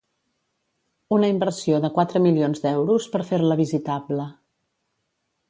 Una inversió de quatre milions d'euros per fer-la visitable.